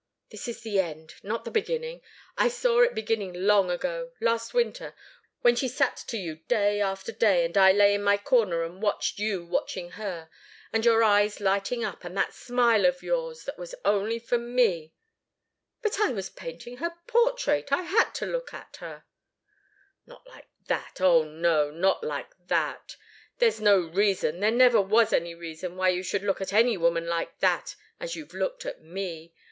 This is the end not the beginning. I saw it beginning long ago last winter, when she sat to you day after day, and I lay in my corner and watched you watching her, and your eyes lighting up, and that smile of yours that was only for me " "But I was painting her portrait I had to look at her " "Not like that! Oh, no, not like that! There's no reason, there never was any reason, why you should look at any woman like that as you've looked at me.